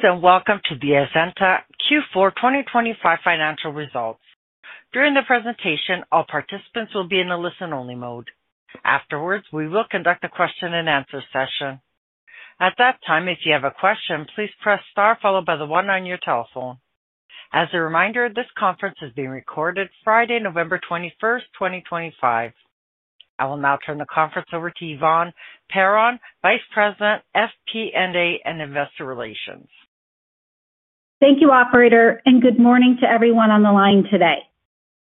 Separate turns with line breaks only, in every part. Greetings and welcome to the Azenta Q4 2025 financial results. During the presentation, all participants will be in the listen-only mode. Afterwards, we will conduct a Q&A session. At that time, if you have a question, please press star followed by the one on your telephone. As a reminder, this conference is being recorded Friday, November 21, 2025. I will now turn the conference over to Yvonne Perron, Vice President, FP&A and Investor Relations.
Thank you, Operator, and good morning to everyone on the line today.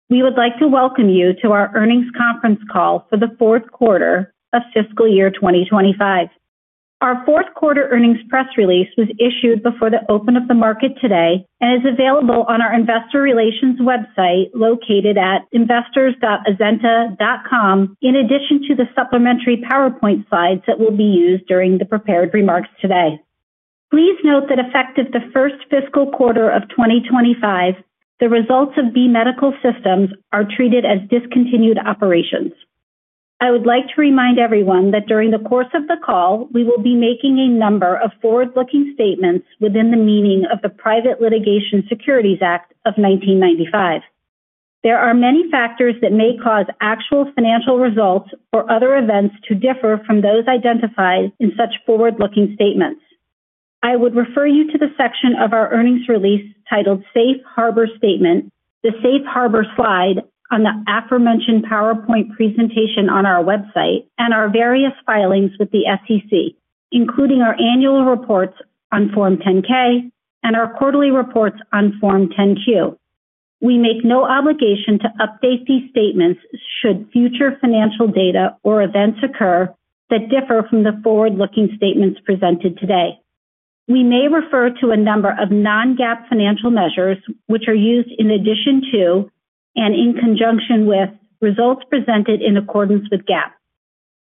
We would like to welcome you to our earnings conference call for the fourth quarter of fiscal year 2025. Our fourth quarter earnings press release was issued before the open of the market today and is available on our Investor Relations website located at investors.azenta.com, in addition to the supplementary PowerPoint slides that will be used during the prepared remarks today. Please note that effective the first fiscal quarter of 2025, the results of B Medical Systems are treated as discontinued operations. I would like to remind everyone that during the course of the call, we will be making a number of forward-looking statements within the meaning of the Private Securities Litigation Reform Act of 1995. There are many factors that may cause actual financial results or other events to differ from those identified in such forward-looking statements. I would refer you to the section of our earnings release titled Safe Harbor Statement, the Safe Harbor slide on the aforementioned PowerPoint presentation on our website, and our various filings with the SEC, including our annual reports on Form 10-K and our quarterly reports on Form 10-Q. We make no obligation to update these statements should future financial data or events occur that differ from the forward-looking statements presented today. We may refer to a number of non-GAAP financial measures, which are used in addition to and in conjunction with results presented in accordance with GAAP.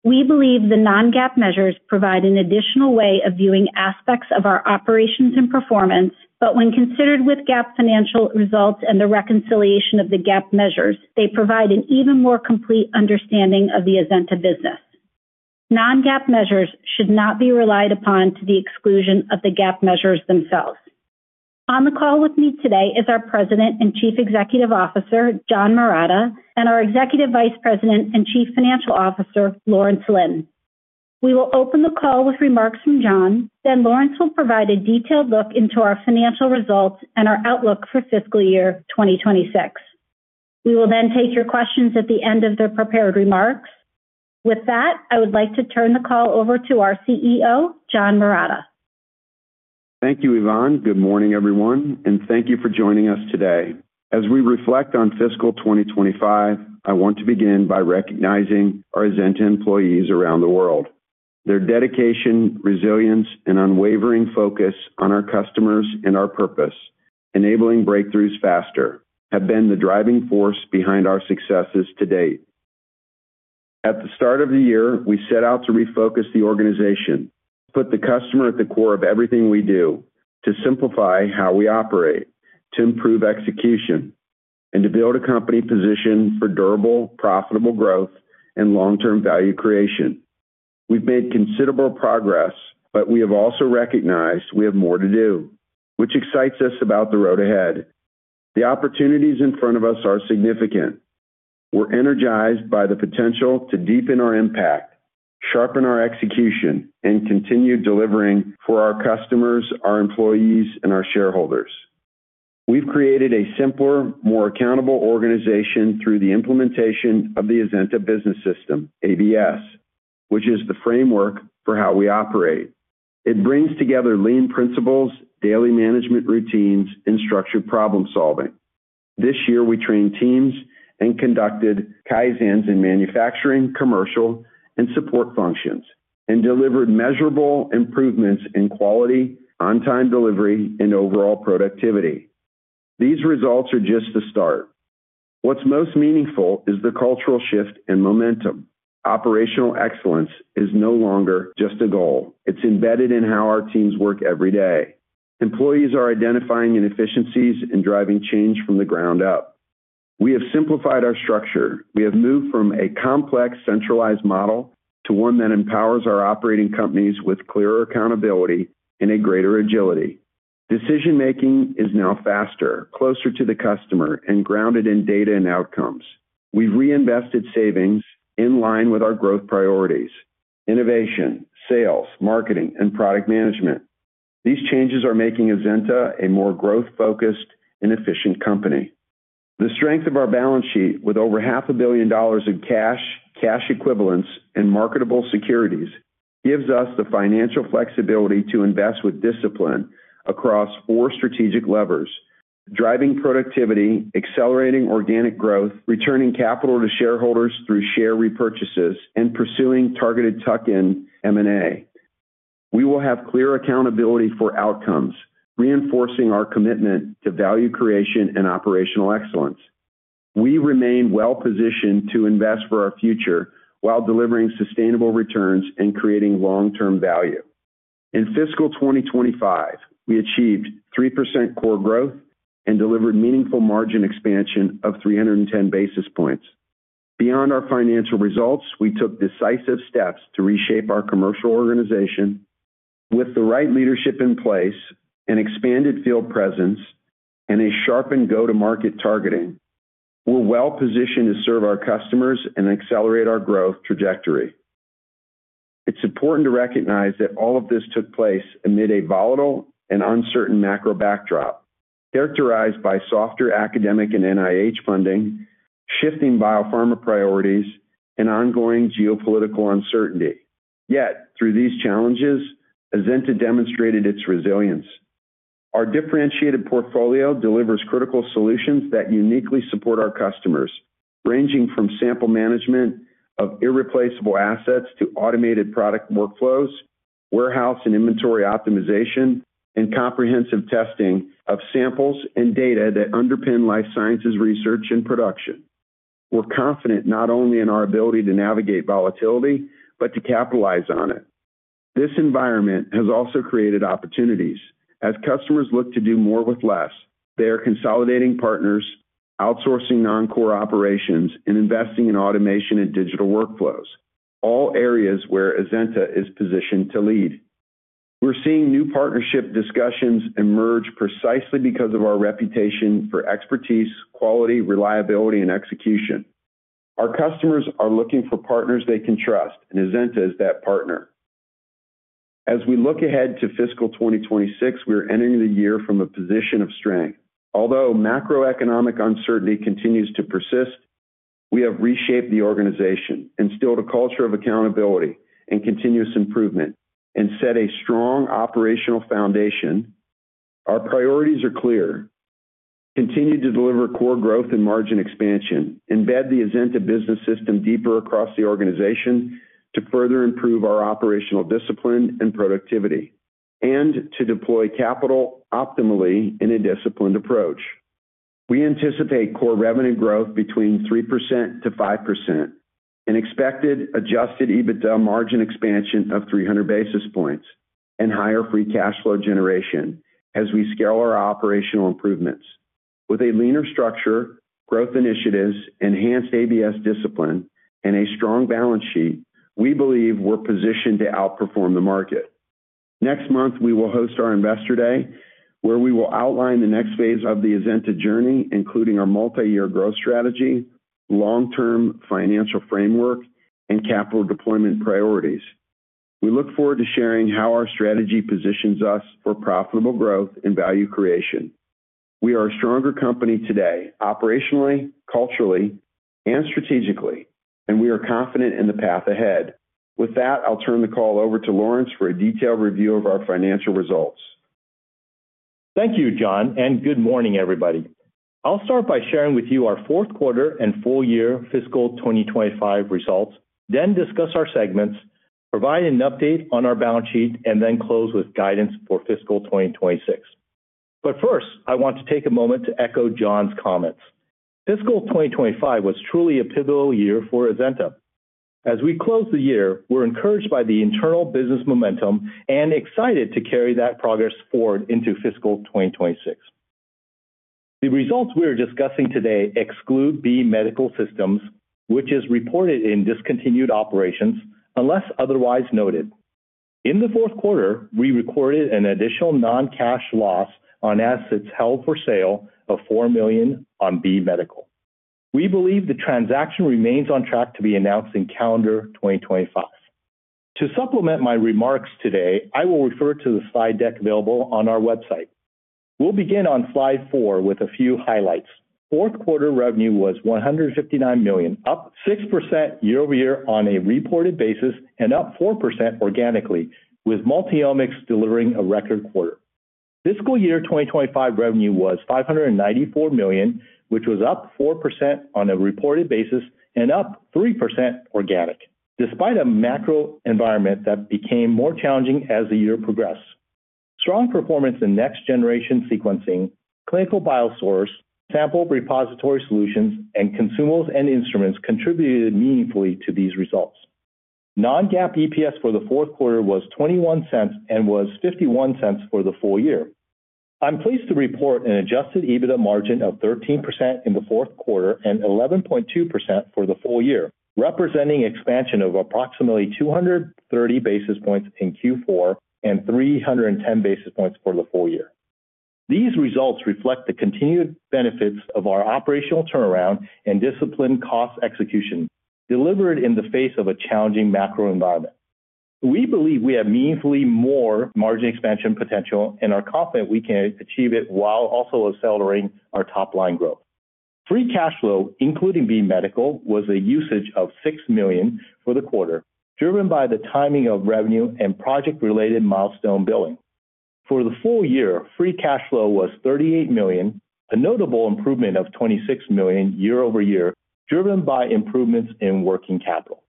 We believe the non-GAAP measures provide an additional way of viewing aspects of our operations and performance, but when considered with GAAP financial results and the reconciliation of the GAAP measures, they provide an even more complete understanding of the Azenta business. Non-GAAP measures should not be relied upon to the exclusion of the GAAP measures themselves. On the call with me today is our President and Chief Executive Officer, John Marotta, and our Executive Vice President and Chief Financial Officer, Lawrence Lin. We will open the call with remarks from John, then Lawrence will provide a detailed look into our financial results and our outlook for fiscal year 2026. We will then take your questions at the end of the prepared remarks. With that, I would like to turn the call over to our CEO, John Marotta.
Thank you, Yvonne. Good morning, everyone, and thank you for joining us today. As we reflect on fiscal 2025, I want to begin by recognizing our Azenta employees around the world. Their dedication, resilience, and unwavering focus on our customers and our purpose, enabling breakthroughs faster, have been the driving force behind our successes to date. At the start of the year, we set out to refocus the organization, put the customer at the core of everything we do, to simplify how we operate, to improve execution, and to build a company positioned for durable, profitable growth and long-term value creation. We've made considerable progress, but we have also recognized we have more to do, which excites us about the road ahead. The opportunities in front of us are significant. We're energized by the potential to deepen our impact, sharpen our execution, and continue delivering for our customers, our employees, and our shareholders. We've created a simpler, more accountable organization through the implementation of the Azenta Business System, ABS, which is the framework for how we operate. It brings together lean principles, daily management routines, and structured problem-solving. This year, we trained teams and conducted Kaizens in manufacturing, commercial, and support functions, and delivered measurable improvements in quality, on-time delivery, and overall productivity. These results are just the start. What's most meaningful is the cultural shift and momentum. Operational excellence is no longer just a goal. It's embedded in how our teams work every day. Employees are identifying inefficiencies and driving change from the ground up. We have simplified our structure. We have moved from a complex, centralized model to one that empowers our operating companies with clearer accountability and greater agility. Decision-making is now faster, closer to the customer, and grounded in data and outcomes. We've reinvested savings in line with our growth priorities: innovation, sales, marketing, and product management. These changes are making Azenta a more growth-focused and efficient company. The strength of our balance sheet with over $0.5 billion in cash, cash equivalents, and marketable securities gives us the financial flexibility to invest with discipline across four strategic levers: driving productivity, accelerating organic growth, returning capital to shareholders through share repurchases, and pursuing targeted tuck-in M&A. We will have clear accountability for outcomes, reinforcing our commitment to value creation and operational excellence. We remain well-positioned to invest for our future while delivering sustainable returns and creating long-term value. In fiscal 2025, we achieved 3% core growth and delivered meaningful margin expansion of 310 basis points. Beyond our financial results, we took decisive steps to reshape our commercial organization with the right leadership in place, an expanded field presence, and a sharpened go-to-market targeting. We're well-positioned to serve our customers and accelerate our growth trajectory. It's important to recognize that all of this took place amid a volatile and uncertain macro backdrop characterized by softer academic and NIH funding, shifting biopharma priorities, and ongoing geopolitical uncertainty. Yet, through these challenges, Azenta demonstrated its resilience. Our differentiated portfolio delivers critical solutions that uniquely support our customers, ranging from sample management of irreplaceable assets to automated product workflows, warehouse and inventory optimization, and comprehensive testing of samples and data that underpin life sciences research and production. We're confident not only in our ability to navigate volatility but to capitalize on it. This environment has also created opportunities. As customers look to do more with less, they are consolidating partners, outsourcing non-core operations, and investing in automation and digital workflows, all areas where Azenta is positioned to lead. We're seeing new partnership discussions emerge precisely because of our reputation for expertise, quality, reliability, and execution. Our customers are looking for partners they can trust, and Azenta is that partner. As we look ahead to fiscal 2026, we are entering the year from a position of strength. Although macroeconomic uncertainty continues to persist, we have reshaped the organization, instilled a culture of accountability and continuous improvement, and set a strong operational foundation. Our priorities are clear: continue to deliver core growth and margin expansion, embed the Azenta Business System deeper across the organization to further improve our operational discipline and productivity, and to deploy capital optimally in a disciplined approach. We anticipate core revenue growth between 3%-5% and expected adjusted EBITDA margin expansion of 300 basis points and higher free cash flow generation as we scale our operational improvements. With a leaner structure, growth initiatives, enhanced ABS discipline, and a strong balance sheet, we believe we're positioned to outperform the market. Next month, we will host our Investor Day, where we will outline the next phase of the Azenta journey, including our multi-year growth strategy, long-term financial framework, and capital deployment priorities. We look forward to sharing how our strategy positions us for profitable growth and value creation. We are a stronger company today, operationally, culturally, and strategically, and we are confident in the path ahead. With that, I'll turn the call over to Lawrence for a detailed review of our financial results.
Thank you, John, and good morning, everybody. I'll start by sharing with you our fourth quarter and full-year fiscal 2025 results, then discuss our segments, provide an update on our balance sheet, and then close with guidance for fiscal 2026. First, I want to take a moment to echo John's comments. Fiscal 2025 was truly a pivotal year for Azenta. As we close the year, we're encouraged by the internal business momentum and excited to carry that progress forward into fiscal 2026. The results we're discussing today exclude B Medical Systems, which is reported in discontinued operations unless otherwise noted. In the fourth quarter, we recorded an additional non-cash loss on assets held for sale of $4 million on B Medical. We believe the transaction remains on track to be announced in calendar 2025. To supplement my remarks today, I will refer to the slide deck available on our website. We'll begin on slide four with a few highlights. Fourth quarter revenue was $159 million, up 6% year-over-year on a reported basis and up 4% organically, with Multiomics delivering a record quarter. Fiscal year 2025 revenue was $594 million, which was up 4% on a reported basis and up 3% organic, despite a macro environment that became more challenging as the year progressed. Strong performance in next-generation sequencing, clinical biosource, sample repository solutions, and consumables and instruments contributed meaningfully to these results. Non-GAAP EPS for the fourth quarter was $0.21 and was $0.51 for the full year. I'm pleased to report an adjusted EBITDA margin of 13% in the fourth quarter and 11.2% for the full year, representing expansion of approximately 230 basis points in Q4 and 310 basis points for the full year. These results reflect the continued benefits of our operational turnaround and disciplined cost execution delivered in the face of a challenging macro environment. We believe we have meaningfully more margin expansion potential and are confident we can achieve it while also accelerating our top-line growth. Free cash flow, including B Medical, was a usage of $6 million for the quarter, driven by the timing of revenue and project-related milestone billing. For the full year, free cash flow was $38 million, a notable improvement of $26 million year-over-year, driven by improvements in working capital.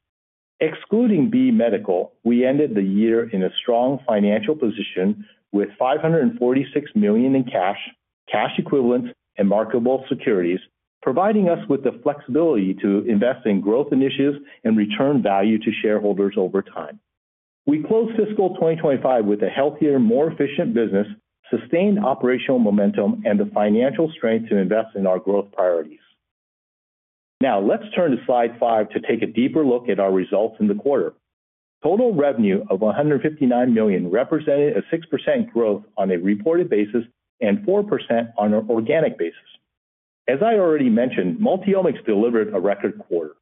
Excluding B Medical, we ended the year in a strong financial position with $546 million in cash, cash equivalents, and marketable securities, providing us with the flexibility to invest in growth initiatives and return value to shareholders over time. We closed fiscal 2025 with a healthier, more efficient business, sustained operational momentum, and the financial strength to invest in our growth priorities. Now, let's turn to slide five to take a deeper look at our results in the quarter. Total revenue of $159 million represented a 6% growth on a reported basis and 4% on an organic basis. As I already mentioned, Multiomics delivered a record quarter.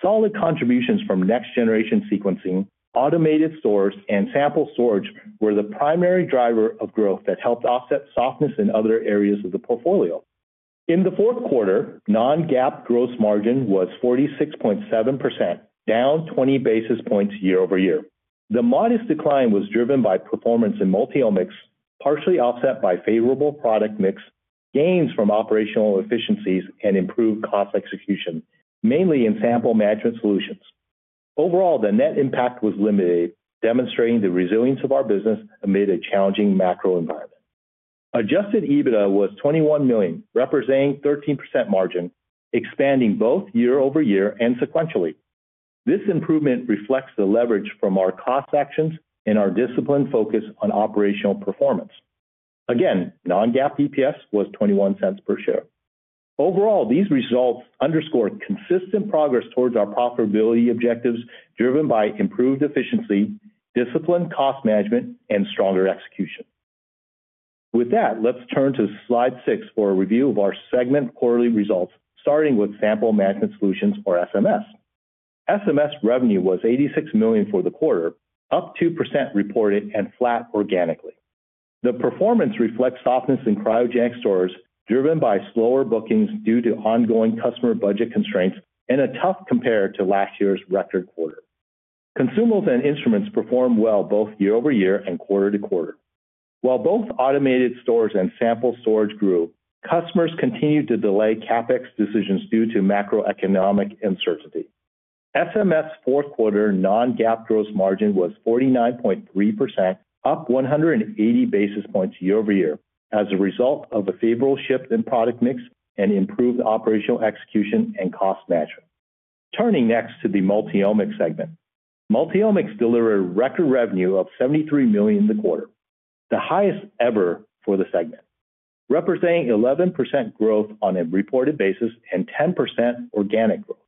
Solid contributions from next-generation sequencing, automated stores, and sample storage were the primary driver of growth that helped offset softness in other areas of the portfolio. In the fourth quarter, non-GAAP gross margin was 46.7%, down 20 basis points year-over-year. The modest decline was driven by performance in Multiomics, partially offset by favorable product mix, gains from operational efficiencies, and improved cost execution, mainly in sample management solutions. Overall, the net impact was limited, demonstrating the resilience of our business amid a challenging macro environment. Adjusted EBITDA was $21 million, representing 13% margin, expanding both year-over-year and sequentially. This improvement reflects the leverage from our cost actions and our disciplined focus on operational performance. Again, non-GAAP EPS was $0.21 per share. Overall, these results underscore consistent progress towards our profitability objectives driven by improved efficiency, disciplined cost management, and stronger execution. With that, let's turn to slide six for a review of our segment quarterly results, starting with Sample Management Solutions, or SMS. SMS revenue was $86 million for the quarter, up 2% reported and flat organically. The performance reflects softness in Cryogenic Stores, driven by slower bookings due to ongoing customer budget constraints and a tough compare to last year's record quarter. Consumables and Instruments performed well both year-over-year and quarter to quarter. While both Automated Stores and Sample Storage grew, customers continued to delay CapEx decisions due to macroeconomic uncertainty. SMS' fourth quarter non-GAAP gross margin was 49.3%, up 180 basis points year-over-year as a result of a favorable shift in product mix and improved operational execution and cost management. Turning next to the Multiomics segment. Multiomics delivered record revenue of $73 million in the quarter, the highest ever for the segment, representing 11% growth on a reported basis and 10% organic growth.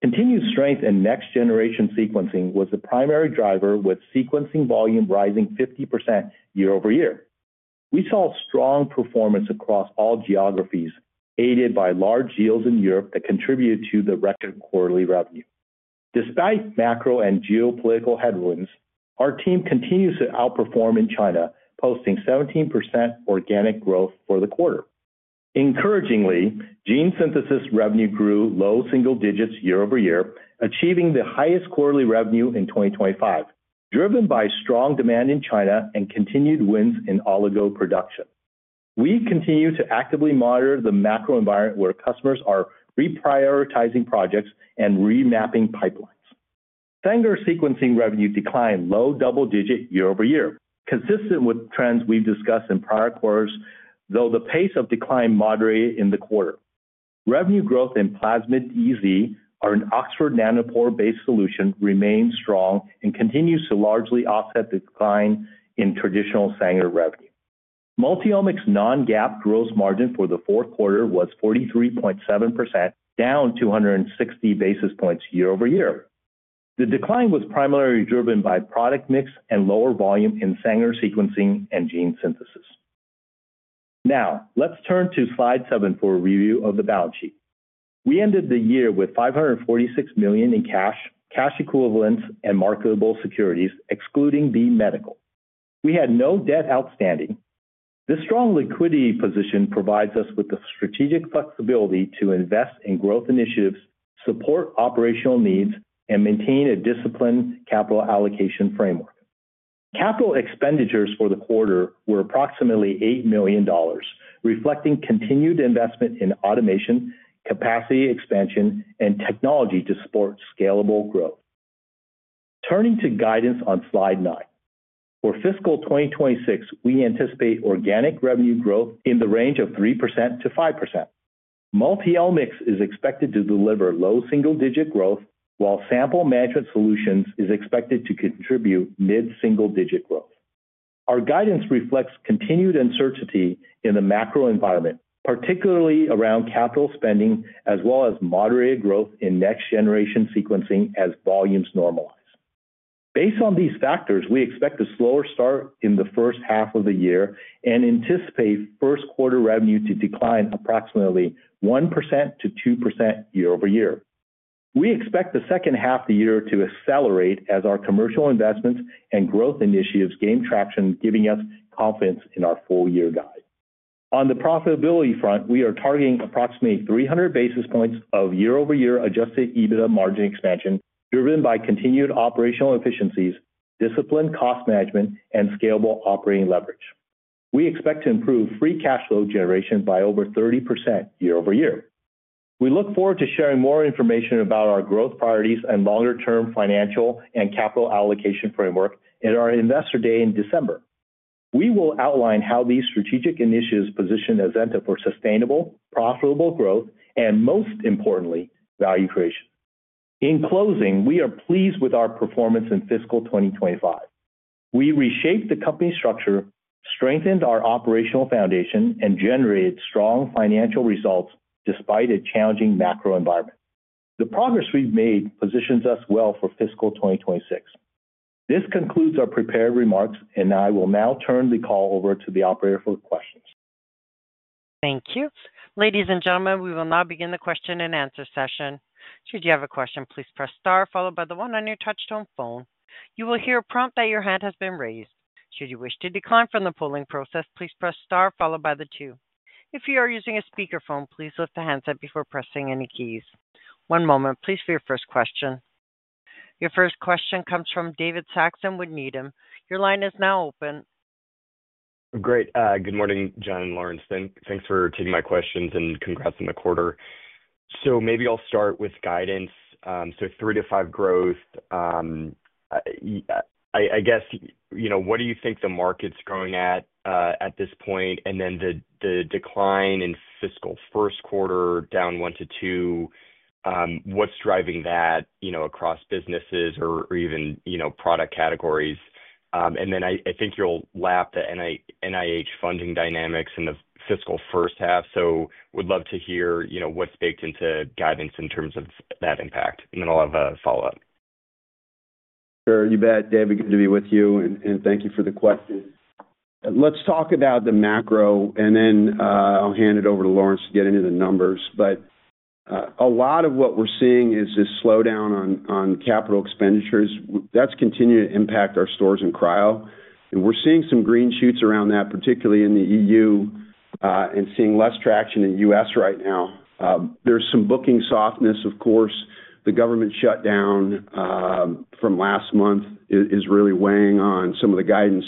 Continued strength in Next-Generation Sequencing was the primary driver, with sequencing volume rising 50% year-over-year. We saw strong performance across all geographies, aided by large deals in Europe that contributed to the record quarterly revenue. Despite macro and geopolitical headwinds, our team continues to outperform in China, posting 17% organic growth for the quarter. Encouragingly, gene synthesis revenue grew low single digits year-over-year, achieving the highest quarterly revenue in 2025, driven by strong demand in China and continued wins in oligo production. We continue to actively monitor the macro environment where customers are reprioritizing projects and remapping pipelines. Sanger sequencing revenue declined low double digits year-over-year, consistent with trends we've discussed in prior quarters, though the pace of decline moderated in the quarter. Revenue growth in Plasmid EZ, an Oxford Nanopore-based solution, remains strong and continues to largely offset the decline in traditional Sanger revenue. Multiomics non-GAAP gross margin for the fourth quarter was 43.7%, down 260 basis points year-over-year. The decline was primarily driven by product mix and lower volume in Sanger sequencing and gene synthesis. Now, let's turn to slide seven for a review of the balance sheet. We ended the year with $546 million in cash, cash equivalents, and marketable securities, excluding B Medical. We had no debt outstanding. This strong liquidity position provides us with the strategic flexibility to invest in growth initiatives, support operational needs, and maintain a disciplined capital allocation framework. Capital expenditures for the quarter were approximately $8 million, reflecting continued investment in automation, capacity expansion, and technology to support scalable growth. Turning to guidance on slide nine. For fiscal 2026, we anticipate organic revenue growth in the range of 3%-5%. Multiomics is expected to deliver low single-digit growth, while Sample Management Solutions is expected to contribute mid-single-digit growth. Our guidance reflects continued uncertainty in the macro environment, particularly around capital spending, as well as moderated growth in Next-Generation Sequencing as volumes normalize. Based on these factors, we expect a slower start in the first half of the year and anticipate first quarter revenue to decline approximately 1%-2% year-over-year. We expect the second half of the year to accelerate as our commercial investments and growth initiatives gain traction, giving us confidence in our full-year guide. On the profitability front, we are targeting approximately 300 basis points of year-over-year adjusted EBITDA margin expansion, driven by continued operational efficiencies, disciplined cost management, and scalable operating leverage. We expect to improve free cash flow generation by over 30% year-over-year. We look forward to sharing more information about our growth priorities and longer-term financial and capital allocation framework in our Investor Day in December. We will outline how these strategic initiatives position Azenta for sustainable, profitable growth, and most importantly, value creation. In closing, we are pleased with our performance in fiscal 2025. We reshaped the company structure, strengthened our operational foundation, and generated strong financial results despite a challenging macro environment. The progress we've made positions us well for fiscal 2026. This concludes our prepared remarks, and I will now turn the call over to the operator for questions.
Thank you. Ladies and gentlemen, we will now begin the question and answer session. Should you have a question, please press star, followed by the one on your touchtone phone. You will hear a prompt that your hand has been raised. Should you wish to decline from the polling process, please press star, followed by the two. If you are using a speakerphone, please lift the handset before pressing any keys. One moment, please, for your first question. Your first question comes from David Saxon with Needham. Your line is now open.
Great. Good morning, John and Lawrence. Thanks for taking my questions and congrats on the quarter. Maybe I'll start with guidance. Three to five growth. I guess, what do you think the market's growing at at this point? The decline in fiscal first quarter, down one to two, what's driving that across businesses or even product categories? I think you'll lap the NIH funding dynamics in the fiscal first half. Would love to hear what's baked into guidance in terms of that impact. I have a follow-up.
Sure. You bet, David. Good to be with you. Thank you for the question. Let's talk about the macro, then I'll hand it over to Lawrence to get into the numbers. A lot of what we're seeing is this slowdown on capital expenditures. That's continued to impact our stores and cryo. We're seeing some green shoots around that, particularly in the EU and seeing less traction in the U.S. right now. There's some booking softness, of course. The government shutdown from last month is really weighing on some of the guidance.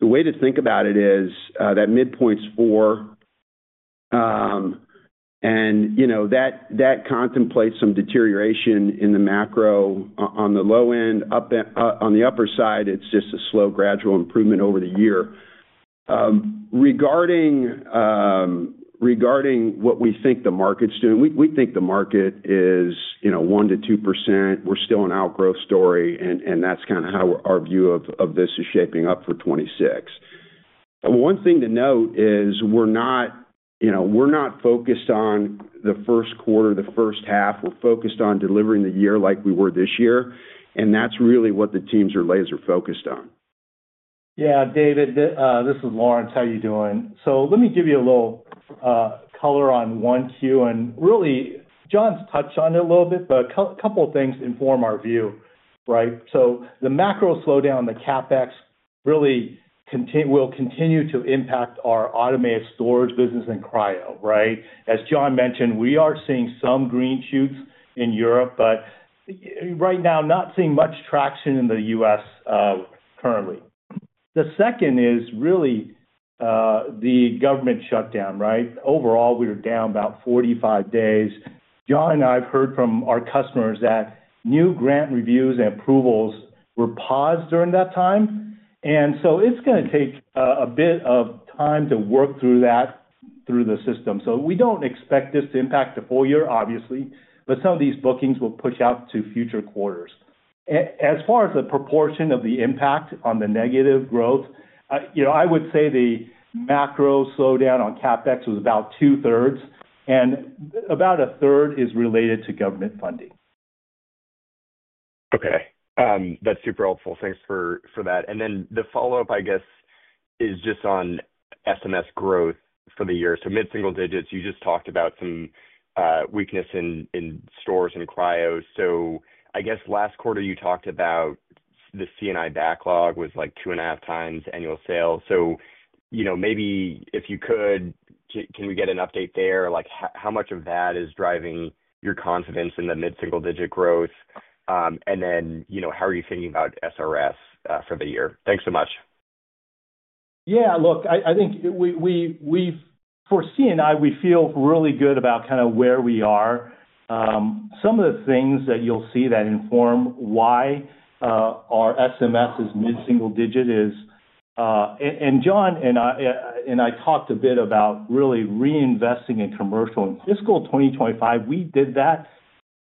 The way to think about it is that mid-point's 4%. That contemplates some deterioration in the macro on the low end. On the upper side, it's just a slow, gradual improvement over the year. Regarding what we think the market's doing, we think the market is 1%-2%. We're still an outgrowth story, and that's kind of how our view of this is shaping up for 2026. One thing to note is we're not focused on the first quarter, the first half. We're focused on delivering the year like we were this year. That's really what the teams are laser-focused on.
Yeah, David, this is Lawrence. How are you doing? Let me give you a little color on one Q. John's touched on it a little bit, but a couple of things inform our view, right? The macro slowdown, the CapEx, really will continue to impact our automated storage business and cryo, right? As John mentioned, we are seeing some green shoots in Europe, but right now, not seeing much traction in the US currently. The second is really the government shutdown, right? Overall, we were down about 45 days. John and I have heard from our customers that new grant reviews and approvals were paused during that time. It's going to take a bit of time to work through that through the system. We do not expect this to impact the full year, obviously, but some of these bookings will push out to future quarters. As far as the proportion of the impact on the negative growth, I would say the macro slowdown on CapEx was about two-thirds, and about a third is related to government funding.
Okay. That's super helpful. Thanks for that. The follow-up, I guess, is just on SMS growth for the year. Mid-single digits, you just talked about some weakness in stores and cryo. Last quarter, you talked about the CNI backlog was like two and a half times annual sales. Maybe if you could, can we get an update there? How much of that is driving your confidence in the mid-single digit growth? How are you thinking about SRS for the year? Thanks so much.
Yeah. Look, I think for CNI, we feel really good about kind of where we are. Some of the things that you'll see that inform why our SMS is mid-single digit is, and John and I talked a bit about really reinvesting in commercial in fiscal 2025. We did that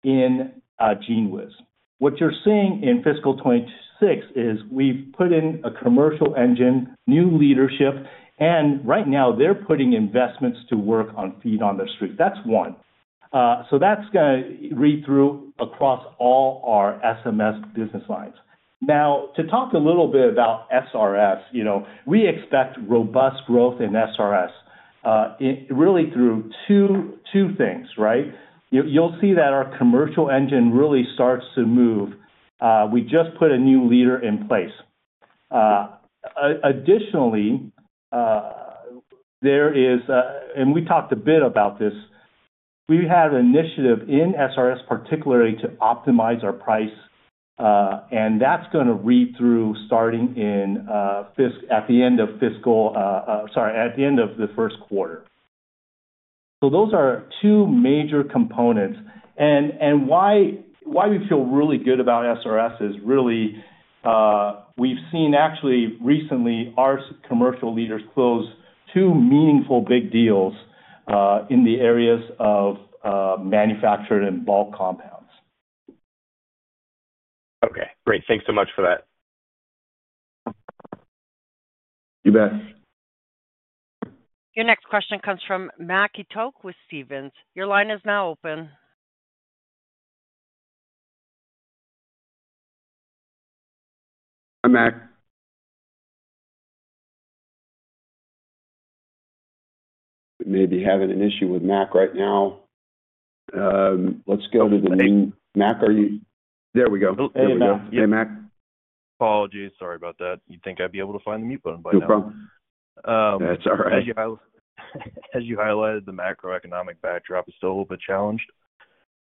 in GeneWiz. What you're seeing in fiscal 2026 is we've put in a commercial engine, new leadership, and right now, they're putting investments to work on feet on the street. That's one. That's going to read through across all our SMS business lines. Now, to talk a little bit about SRS, we expect robust growth in SRS really through two things, right? You'll see that our commercial engine really starts to move. We just put a new leader in place. Additionally, there is, and we talked a bit about this, we have an initiative in SRS, particularly to optimize our price. That is going to read through starting at the end of fiscal, sorry, at the end of the first quarter. Those are two major components. Why we feel really good about SRS is really we have seen actually recently our commercial leaders close two meaningful big deals in the areas of manufactured and bulk compounds.
Okay. Great. Thanks so much for that.
You bet.
Your next question comes from Mac Etoch with Stephens. Your line is now open.
Hi, Mac. We may be having an issue with Mac right now. Let's go to the new Mac. There we go. There we go. Hey, Mac.
Apologies. Sorry about that. You'd think I'd be able to find the mute button by now.
No problem. That's all right.
As you highlighted, the macroeconomic backdrop is still a little bit challenged,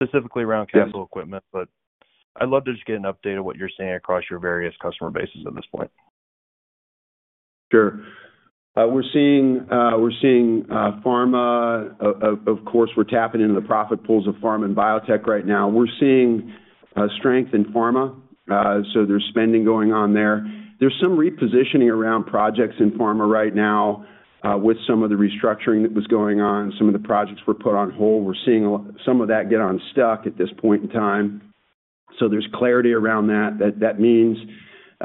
specifically around chemical equipment. I would love to just get an update of what you are seeing across your various customer bases at this point.
Sure. We're seeing pharma. Of course, we're tapping into the profit pools of pharma and biotech right now. We're seeing strength in pharma. There's spending going on there. There's some repositioning around projects in pharma right now with some of the restructuring that was going on. Some of the projects were put on hold. We're seeing some of that get unstuck at this point in time. There's clarity around that. That means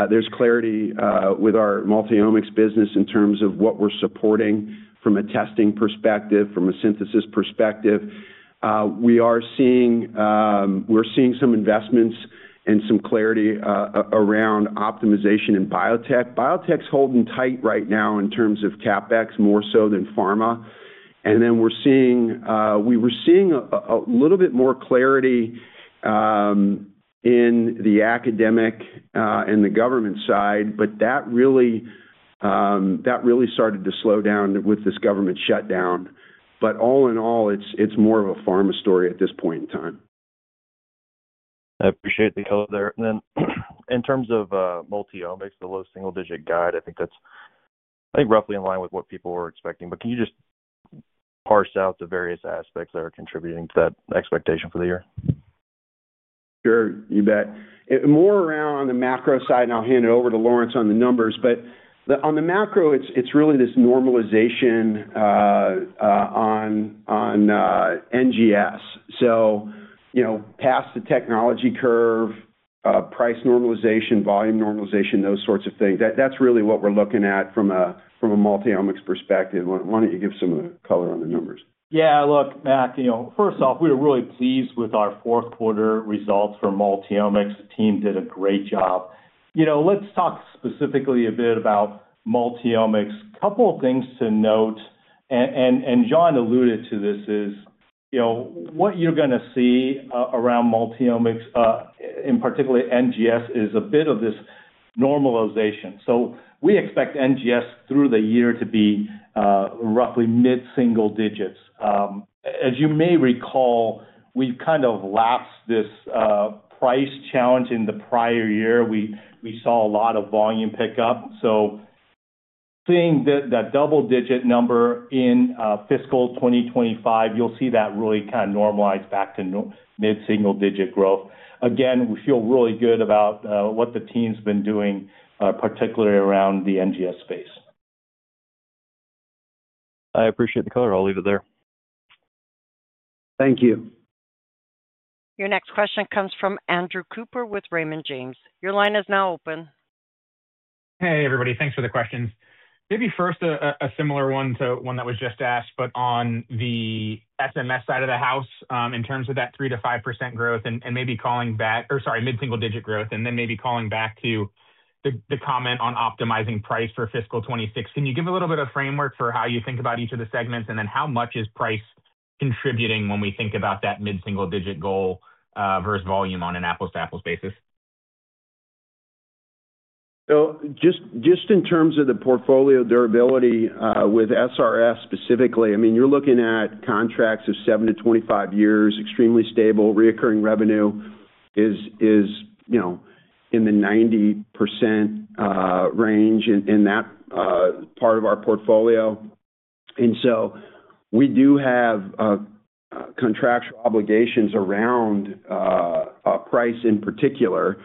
there's clarity with our multi-omics business in terms of what we're supporting from a testing perspective, from a synthesis perspective. We are seeing some investments and some clarity around optimization in biotech. Biotech's holding tight right now in terms of CapEx, more so than pharma. We're seeing a little bit more clarity in the academic and the government side, but that really started to slow down with this government shutdown. All in all, it's more of a pharma story at this point in time.
I appreciate the elevator. In terms of multi-omics, the low single-digit guide, I think that's roughly in line with what people were expecting. Can you just parse out the various aspects that are contributing to that expectation for the year?
Sure. You bet. More around the macro side, and I'll hand it over to Lawrence on the numbers. On the macro, it's really this normalization on NGS. Past the technology curve, price normalization, volume normalization, those sorts of things. That's really what we're looking at from a multi-omics perspective. Why don't you give some color on the numbers?
Yeah. Look, Mac, first off, we were really pleased with our fourth quarter results for multi-omics. The team did a great job. Let's talk specifically a bit about multi-omics. A couple of things to note, and John alluded to this, is what you're going to see around multi-omics, in particular NGS, is a bit of this normalization. We expect NGS through the year to be roughly mid-single digits. As you may recall, we've kind of lapsed this price challenge in the prior year. We saw a lot of volume pickup. Seeing that double-digit number in fiscal 2025, you'll see that really kind of normalize back to mid-single digit growth. Again, we feel really good about what the team's been doing, particularly around the NGS space.
I appreciate the color. I'll leave it there.
Thank you.
Your next question comes from Andrew Cooper with Raymond James. Your line is now open.
Hey, everybody. Thanks for the questions. Maybe first a similar one to one that was just asked, but on the SMS side of the house in terms of that 3%-5% growth and maybe calling back, or sorry, mid-single digit growth, and then maybe calling back to the comment on optimizing price for fiscal 2026. Can you give a little bit of framework for how you think about each of the segments, and then how much is price contributing when we think about that mid-single digit goal versus volume on an apples-to-apples basis?
Just in terms of the portfolio durability with SRS specifically, I mean, you're looking at contracts of 7-25 years, extremely stable. Reoccurring revenue is in the 90% range in that part of our portfolio. We do have contractual obligations around price in particular.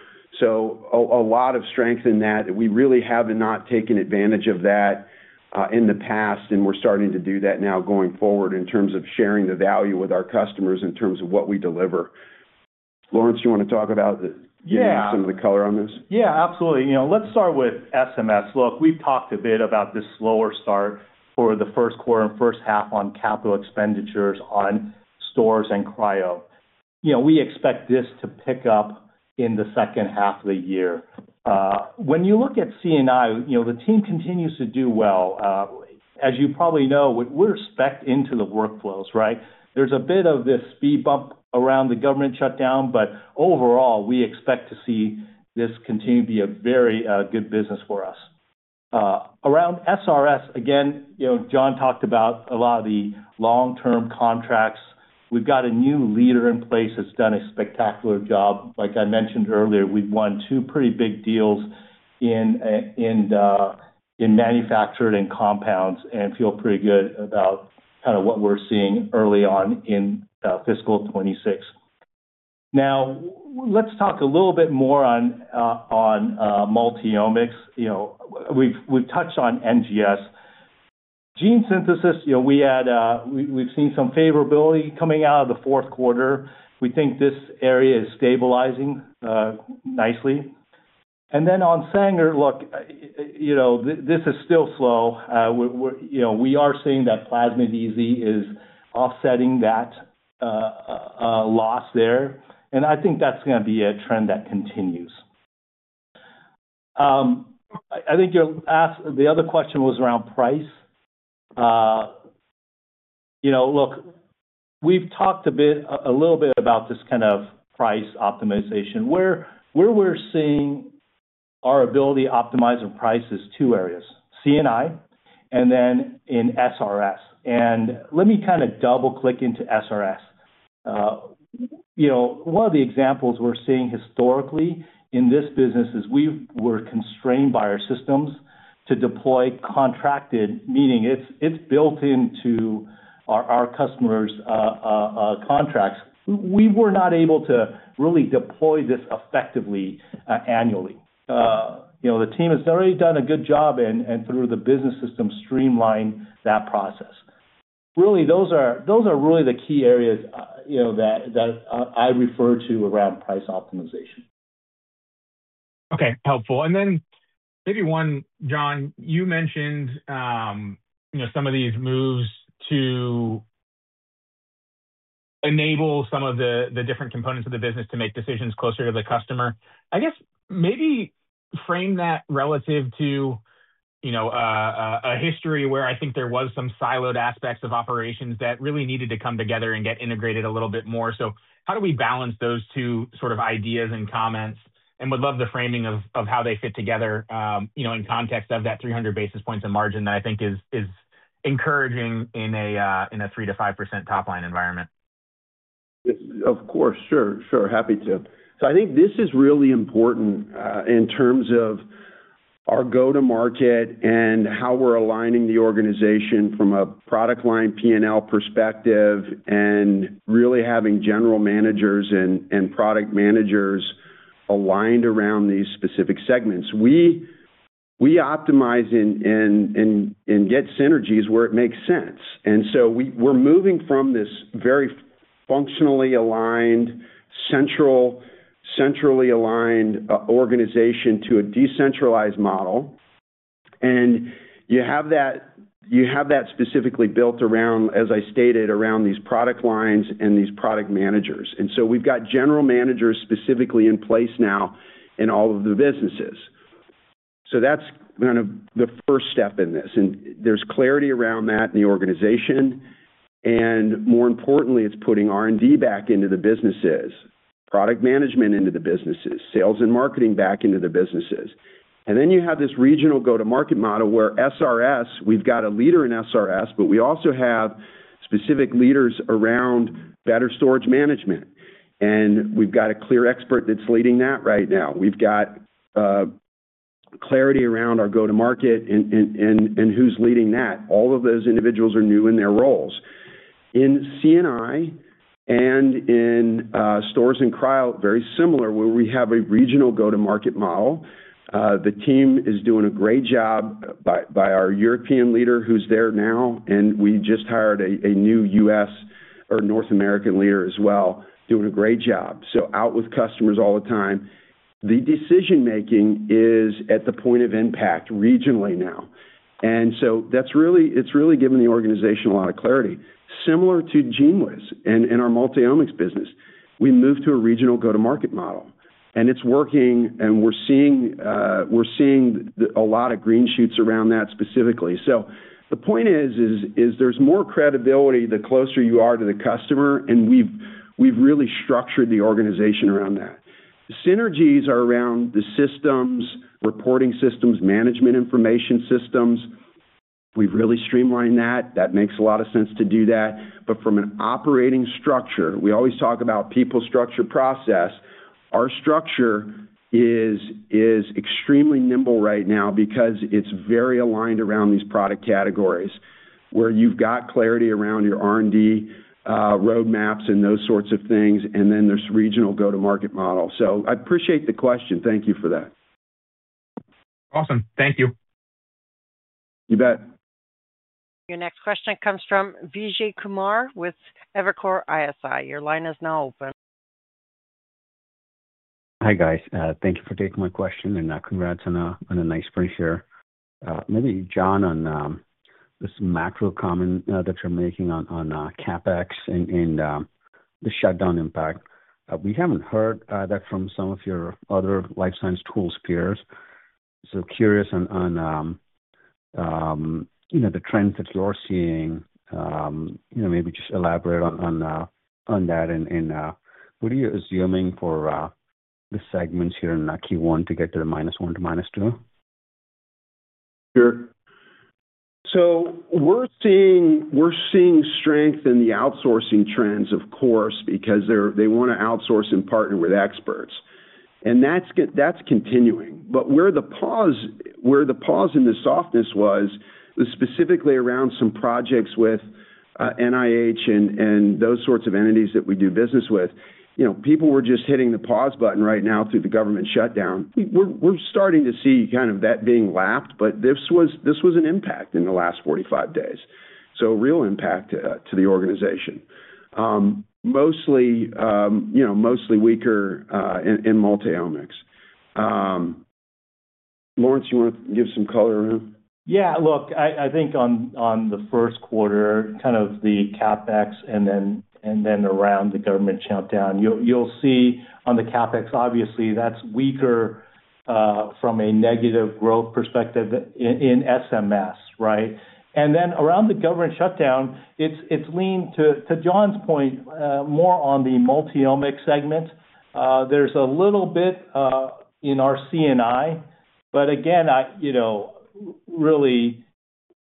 A lot of strength in that. We really have not taken advantage of that in the past, and we're starting to do that now going forward in terms of sharing the value with our customers in terms of what we deliver. Lawrence, you want to talk about getting some of the color on this?
Yeah. Absolutely. Let's start with SMS. Look, we've talked a bit about this slower start for the first quarter and first half on capital expenditures on stores and cryo. We expect this to pick up in the second half of the year. When you look at CNI, the team continues to do well. As you probably know, we're specced into the workflows, right? There's a bit of this speed bump around the government shutdown, but overall, we expect to see this continue to be a very good business for us. Around SRS, again, John talked about a lot of the long-term contracts. We've got a new leader in place that's done a spectacular job. Like I mentioned earlier, we've won two pretty big deals in manufactured and compounds and feel pretty good about kind of what we're seeing early on in fiscal 2026. Now, let's talk a little bit more on multi-omics. We've touched on NGS. Gene Synthesis, we've seen some favorability coming out of the fourth quarter. We think this area is stabilizing nicely. And then on Sanger, look, this is still slow. We are seeing that Plasmid EZ is offsetting that loss there. I think that's going to be a trend that continues. I think the other question was around price. Look, we've talked a little bit about this kind of price optimization. Where we're seeing our ability to optimize our price is two areas: CNI and then in SRS. Let me kind of double-click into SRS. One of the examples we're seeing historically in this business is we were constrained by our systems to deploy contracted, meaning it's built into our customers' contracts. We were not able to really deploy this effectively annually. The team has already done a good job and through the business system streamlined that process. Really, those are really the key areas that I refer to around price optimization.
Okay. Helpful. Maybe one, John, you mentioned some of these moves to enable some of the different components of the business to make decisions closer to the customer. I guess maybe frame that relative to a history where I think there were some siloed aspects of operations that really needed to come together and get integrated a little bit more. How do we balance those two sort of ideas and comments? Would love the framing of how they fit together in context of that 300 basis points of margin that I think is encouraging in a 3%-5% top-line environment.
Of course. Sure. Sure. Happy to. I think this is really important in terms of our go-to-market and how we're aligning the organization from a product line P&L perspective and really having general managers and product managers aligned around these specific segments. We optimize and get synergies where it makes sense. We are moving from this very functionally aligned, centrally aligned organization to a decentralized model. You have that specifically built around, as I stated, around these product lines and these product managers. We have general managers specifically in place now in all of the businesses. That is kind of the first step in this. There is clarity around that in the organization. More importantly, it is putting R&D back into the businesses, product management into the businesses, sales and marketing back into the businesses. You have this regional go-to-market model where SRS, we've got a leader in SRS, but we also have specific leaders around better storage management. We've got a clear expert that's leading that right now. We've got clarity around our go-to-market and who's leading that. All of those individuals are new in their roles. In CNI and in stores and cryo, very similar where we have a regional go-to-market model. The team is doing a great job by our European leader who's there now. We just hired a new US or North American leader as well, doing a great job. Out with customers all the time. The decision-making is at the point of impact regionally now. It's really given the organization a lot of clarity. Similar to GeneWiz in our multi-omics business, we moved to a regional go-to-market model. It's working, and we're seeing a lot of green shoots around that specifically. The point is, there's more credibility the closer you are to the customer, and we've really structured the organization around that. Synergies are around the systems, reporting systems, management information systems. We've really streamlined that. That makes a lot of sense to do that. From an operating structure, we always talk about people, structure, process. Our structure is extremely nimble right now because it's very aligned around these product categories where you've got clarity around your R&D roadmaps and those sorts of things, and then this regional go-to-market model. I appreciate the question. Thank you for that.
Awesome. Thank you.
You bet.
Your next question comes from Vijay Kumar with Evercore ISI. Your line is now open.
Hi guys. Thank you for taking my question, and congrats on a nice spring share. Maybe John, on this macro comment that you're making on CapEx and the shutdown impact. We haven't heard that from some of your other life science tools peers. Curious on the trends that you're seeing. Maybe just elaborate on that. What are you assuming for the segments here in Q1 to get to the minus one to minus two?
Sure. We are seeing strength in the outsourcing trends, of course, because they want to outsource and partner with experts. That is continuing. Where the pause in the softness was, specifically around some projects with NIH and those sorts of entities that we do business with, people were just hitting the pause button right now through the government shutdown. We are starting to see kind of that being lapped, but this was an impact in the last 45 days. Real impact to the organization. Mostly weaker in multi-omics. Lawrence, you want to give some color around?
Yeah. Look, I think on the first quarter, kind of the CapEx and then around the government shutdown, you will see on the CapEx, obviously, that is weaker from a negative growth perspective in SMS, right? Then around the government shutdown, it is leaned to John's point more on the multi-omics segment. There's a little bit in our CNI, but again, really,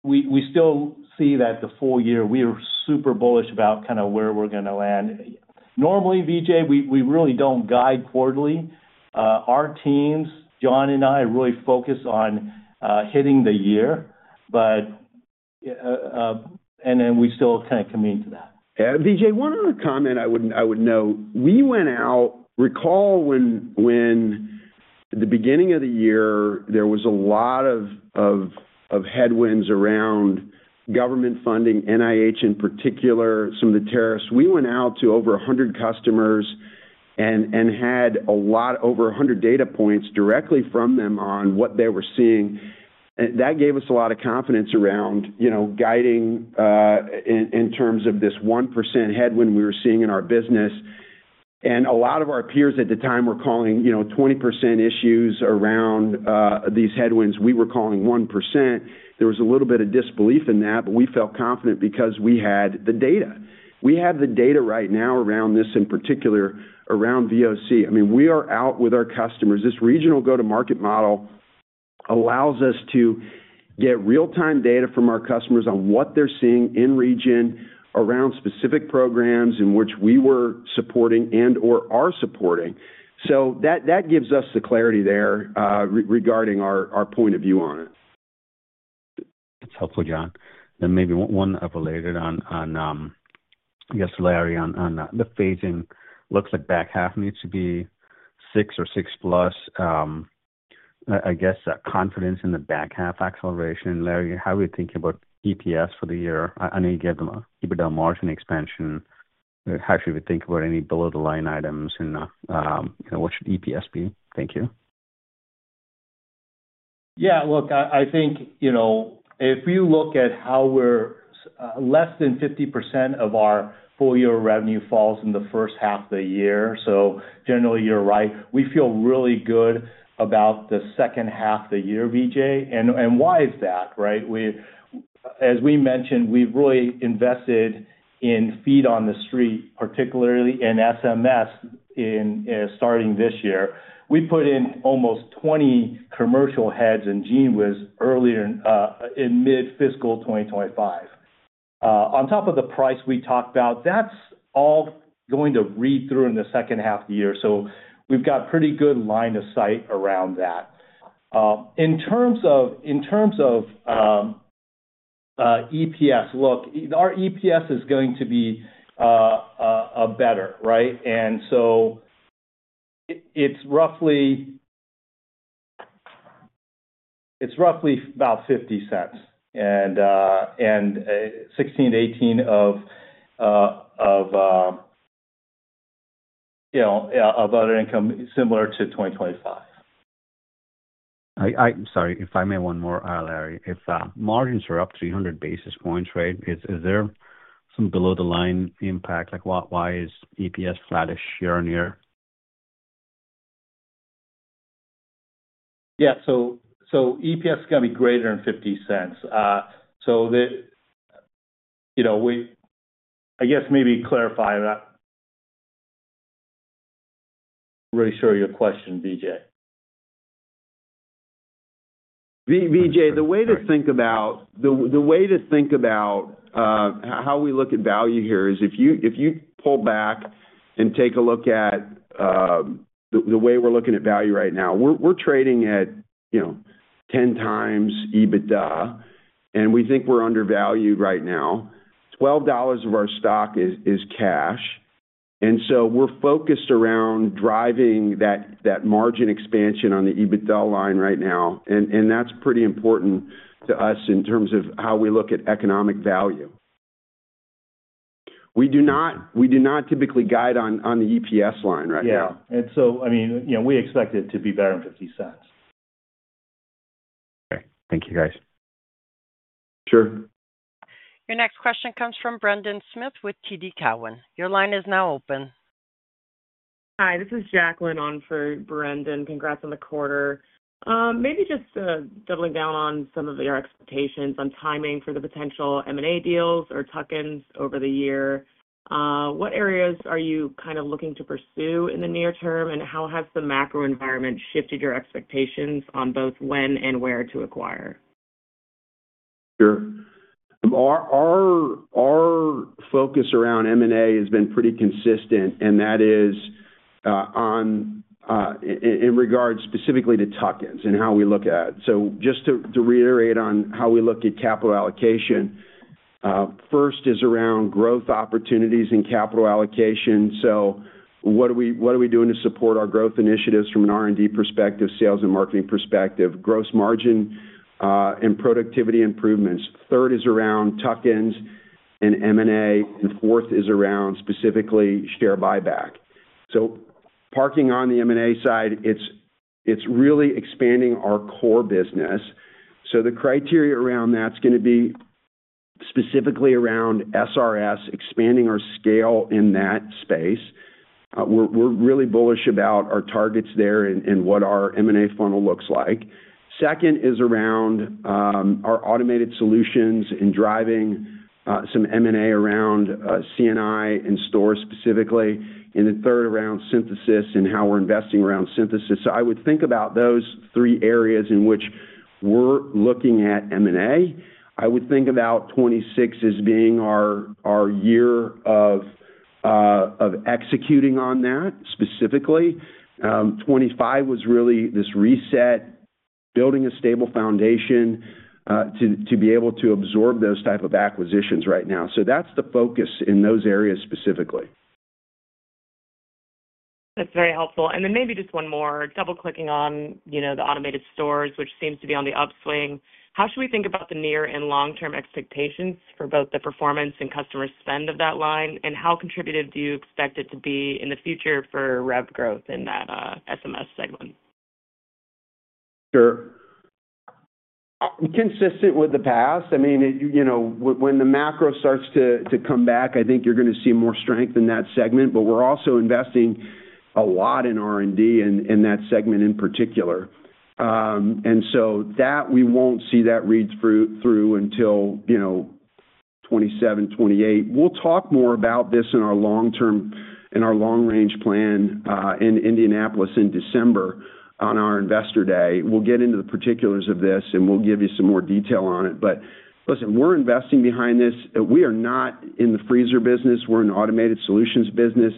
we still see that the full year, we are super bullish about kind of where we're going to land. Normally, Vijay, we really do not guide quarterly. Our teams, John and I, really focus on hitting the year, and then we still kind of commit to that.
Yeah. Vijay, one other comment I would note. We went out, recall when at the beginning of the year, there was a lot of headwinds around government funding, NIH in particular, some of the tariffs. We went out to over 100 customers and had a lot, over 100 data points directly from them on what they were seeing. That gave us a lot of confidence around guiding in terms of this 1% headwind we were seeing in our business. A lot of our peers at the time were calling 20% issues around these headwinds. We were calling 1%. There was a little bit of disbelief in that, but we felt confident because we had the data. We have the data right now around this in particular, around VOC. I mean, we are out with our customers. This regional go-to-market model allows us to get real-time data from our customers on what they're seeing in region around specific programs in which we were supporting and/or are supporting. That gives us the clarity there regarding our point of view on it.
That's helpful, John. Maybe one related on, I guess, Larry, on the phasing. Looks like back half needs to be six or six plus. I guess confidence in the back half acceleration. Larry, how are you thinking about EPS for the year? I know you gave them a margin expansion. How should we think about any below-the-line items and what should EPS be? Thank you.
Yeah. Look, I think if you look at how we're less than 50% of our full-year revenue falls in the first half of the year. Generally, you're right. We feel really good about the second half of the year, Vijay. Why is that, right? As we mentioned, we've really invested in feet on the street, particularly in SMS, starting this year. We put in almost 20 commercial heads in GeneWiz earlier in mid-fiscal 2025. On top of the price we talked about, that's all going to read through in the second half of the year. We've got pretty good line of sight around that. In terms of EPS, look, our EPS is going to be better, right? It's roughly about $0.50 and $16-$18 of other income similar to 2025.
I'm sorry. If I may one more, Larry. If margins are up 300 basis points, right, is there some below-the-line impact? Why is EPS flat-ish year on year?
Yeah. EPS is going to be greater than $0.50. I guess maybe clarify that. Not really sure of your question, Vijay. Vijay, the way to think about how we look at value here is if you pull back and take a look at the way we're looking at value right now, we're trading at 10 times EBITDA, and we think we're undervalued right now. $12 of our stock is cash. We're focused around driving that margin expansion on the EBITDA line right now. That's pretty important to us in terms of how we look at economic value. We do not typically guide on the EPS line right now. I mean, we expect it to be better than $0.50.
Okay. Thank you, guys.
Sure.
Your next question comes from Brendan Smith with TD Cowen. Your line is now open.
Hi. This is Jacqueline on for Brendan. Congrats on the quarter. Maybe just doubling down on some of your expectations on timing for the potential M&A deals or tuck-ins over the year. What areas are you kind of looking to pursue in the near term, and how has the macro environment shifted your expectations on both when and where to acquire?
Sure. Our focus around M&A has been pretty consistent, and that is in regards specifically to tuck-ins and how we look at it. Just to reiterate on how we look at capital allocation, first is around growth opportunities and capital allocation. What are we doing to support our growth initiatives from an R&D perspective, sales and marketing perspective, gross margin, and productivity improvements? Third is around tuck-ins and M&A. Fourth is around specifically share buyback. Parking on the M&A side, it's really expanding our core business. The criteria around that's going to be specifically around SRS, expanding our scale in that space. We're really bullish about our targets there and what our M&A funnel looks like. Second is around our automated solutions and driving some M&A around CNI and stores specifically. Third around synthesis and how we're investing around synthesis. I would think about those three areas in which we're looking at M&A. I would think about 2026 as being our year of executing on that specifically. 2025 was really this reset, building a stable foundation to be able to absorb those types of acquisitions right now. That's the focus in those areas specifically.
That's very helpful. Maybe just one more. Double-clicking on the automated stores, which seems to be on the upswing. How should we think about the near and long-term expectations for both the performance and customer spend of that line? How contributed do you expect it to be in the future for rev growth in that SMS segment?
Sure. Consistent with the past. I mean, when the macro starts to come back, I think you're going to see more strength in that segment. We are also investing a lot in R&D in that segment in particular. That, we won't see that read through until 2027, 2028. We will talk more about this in our long-term and our long-range plan in Indianapolis in December on our investor day. We will get into the particulars of this, and we will give you some more detail on it. Listen, we're investing behind this. We are not in the freezer business. We are in the automated solutions business.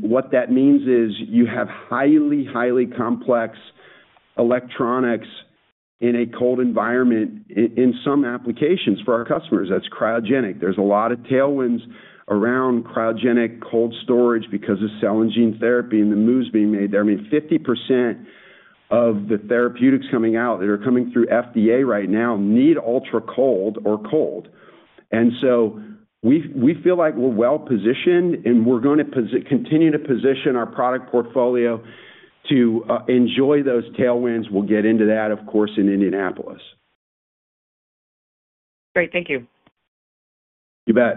What that means is you have highly, highly complex electronics in a cold environment in some applications for our customers. That is cryogenic. There is a lot of tailwinds around cryogenic cold storage because of cell and gene therapy and the moves being made there. I mean, 50% of the therapeutics coming out that are coming through FDA right now need ultra cold or cold. We feel like we're well-positioned, and we're going to continue to position our product portfolio to enjoy those tailwinds. We'll get into that, of course, in Indianapolis.
Great. Thank you.
You bet.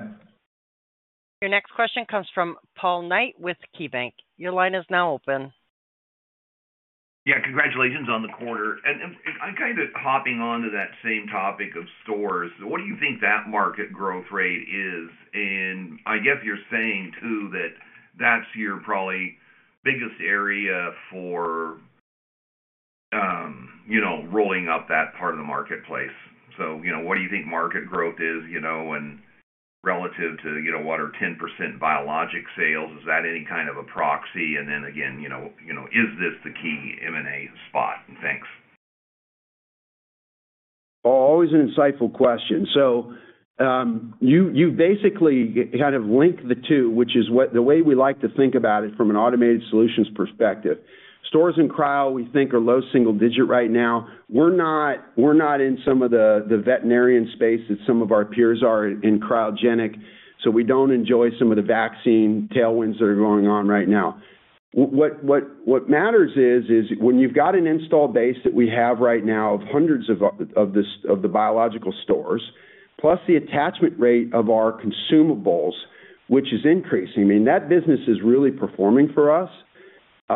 Your next question comes from Paul Knight with KeyBanc. Your line is now open.
Yeah. Congratulations on the quarter. Kind of hopping onto that same topic of stores, what do you think that market growth rate is? I guess you're saying, too, that that's your probably biggest area for rolling up that part of the marketplace. What do you think market growth is relative to, what, our 10% biologic sales? Is that any kind of a proxy? Is this the key M&A spot? Thanks.
Always an insightful question. You basically kind of link the two, which is the way we like to think about it from an automated solutions perspective. Stores and cryo, we think, are low single digit right now. We're not in some of the veterinarian space that some of our peers are in cryogenic. We don't enjoy some of the vaccine tailwinds that are going on right now. What matters is when you've got an install base that we have right now of hundreds of the biological stores, plus the attachment rate of our consumables, which is increasing. I mean, that business is really performing for us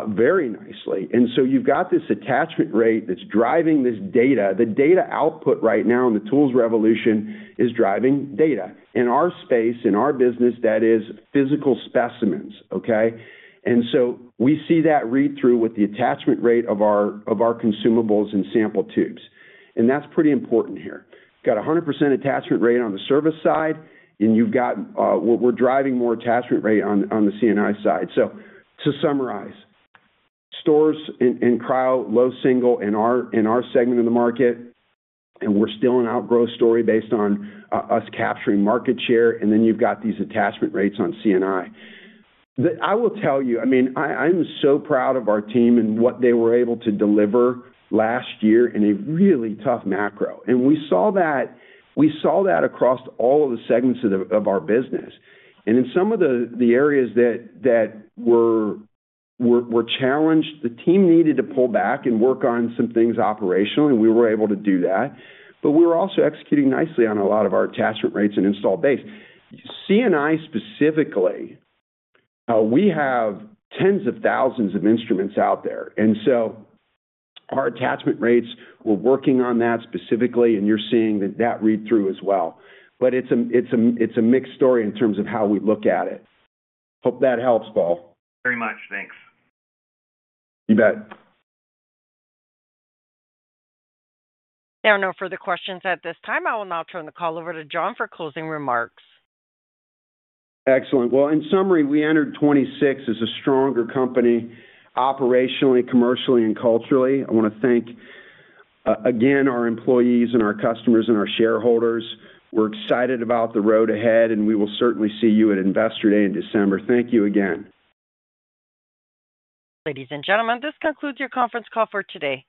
very nicely. You've got this attachment rate that's driving this data. The data output right now in the tools revolution is driving data. In our space, in our business, that is physical specimens, okay? We see that read through with the attachment rate of our consumables and sample tubes. That is pretty important here. Got a 100% attachment rate on the service side, and we are driving more attachment rate on the CNI side. To summarize, stores and cryo, low single in our segment of the market, and we are still an outgrowth story based on us capturing market share. Then you have these attachment rates on CNI. I will tell you, I mean, I am so proud of our team and what they were able to deliver last year in a really tough macro. We saw that across all of the segments of our business. In some of the areas that were challenged, the team needed to pull back and work on some things operationally, and we were able to do that. We were also executing nicely on a lot of our attachment rates and install base. CNI specifically, we have tens of thousands of instruments out there. Our attachment rates, we're working on that specifically, and you're seeing that read through as well. It's a mixed story in terms of how we look at it. Hope that helps, Paul.
Very much. Thanks.
You bet.
There are no further questions at this time. I will now turn the call over to John for closing remarks.
Excellent. In summary, we entered 2026 as a stronger company operationally, commercially, and culturally. I want to thank, again, our employees and our customers and our shareholders. We are excited about the road ahead, and we will certainly see you at Investor Day in December. Thank you again.
Ladies and gentlemen, this concludes your conference call for today.